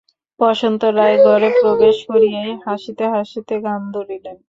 বসন্ত রায় ঘরে প্রবেশ করিয়াই হাসিতে হাসিতে গান ধরিলেন।